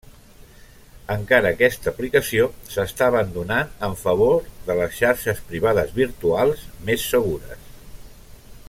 Encara que està aplicació s'està abandonant en favor de les xarxes privades virtuals, més segures.